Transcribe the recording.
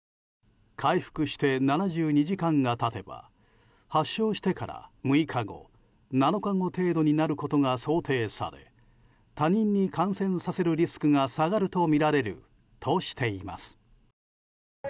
回復して７２時間が経てば発症してから６日後、７日後程度になることが想定され他人に感染させるリスクが下がるとみられるとしています。